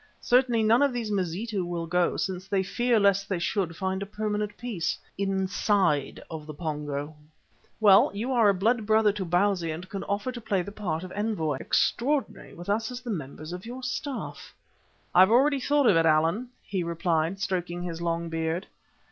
Certainly none of these Mazitu will go, since they fear lest they should find a permanent peace inside of the Pongo. Well, you are a blood brother to Bausi and can offer to play the part of Envoy Extraordinary, with us as the members of your staff." "I have already thought of it, Allan," he replied, stroking his long beard.